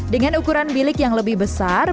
dengan ukuran bilik yang lebih besar